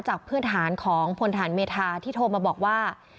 จากพื้นหารของพลทหารเมธาที่โทรมาบอกว่า